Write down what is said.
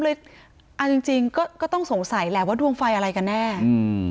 เลยเอาจริงจริงก็ก็ต้องสงสัยแหละว่าดวงไฟอะไรกันแน่อืม